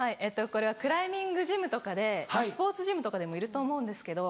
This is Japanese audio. これはクライミングジムとかでスポーツジムとかでもいると思うんですけど。